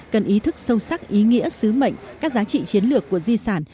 cần ý thức sâu sắc ý nghĩa sứ mệnh các giá trị chiến lược của di sản